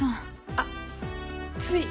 あっつい。